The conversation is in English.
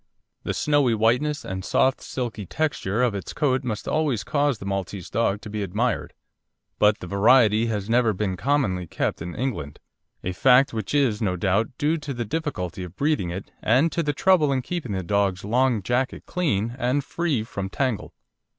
The snowy whiteness and soft, silky texture of its coat must always cause the Maltese dog to be admired; but the variety has never been commonly kept in England a fact which is, no doubt, due to the difficulty of breeding it and to the trouble in keeping the dog's long jacket clean and free from tangle.